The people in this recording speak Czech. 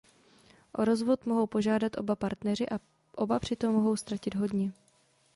O rozvod mohou požádat oba partneři a oba přitom mohou ztratit hodně.